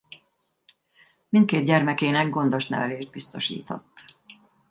Mindkét gyermekének gondos nevelést biztosított.